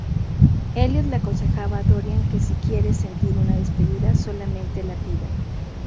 Elliot le aconseja a Dorian que si quiere sentir una despedida, solamente la pida.